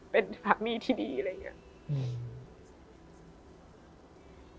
เป็นสามีที่ดีอะไรอย่างนี้